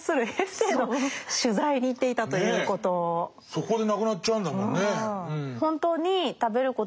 そこで亡くなっちゃうんだもんね。